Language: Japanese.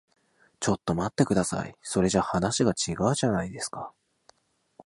ちょっと待ってください。それじゃ話が違うじゃないですか。